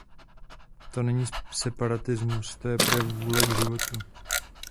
To není separatismus, to je projev vůle k životu.